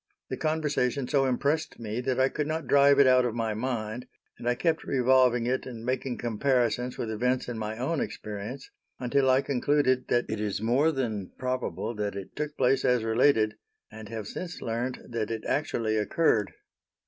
The conversation so impressed me that I could not drive it out of my mind, and I kept revolving it and making comparisons with events in my own experience, until I concluded that it is more than probable that it took place as related, and have since learned that it actually occurred.